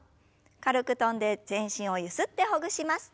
軽く跳んで全身をゆすってほぐします。